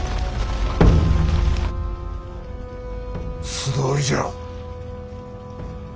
素通りじゃ。